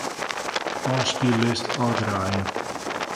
Ofspyllist ôfdraaie.